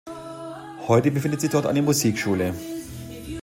Heute befindet sich dort eine Musikschule.